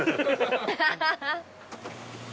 ハハハ！